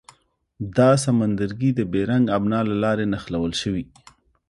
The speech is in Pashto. دا سمندرګي د بیرنګ ابنا له لارې نښلول شوي.